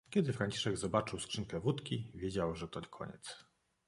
Kiedy Franciszek zobaczył skrzynkę wódki - wiedział, że to koniec.